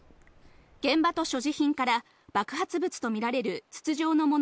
現場と所持品から爆発物とみられる筒状のもの